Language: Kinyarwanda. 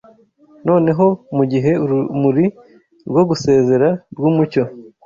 Noneho, mugihe urumuri rwo gusezera rwumucyo